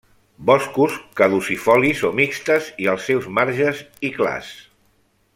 Boscos caducifolis o mixtes i als seus marges i clars.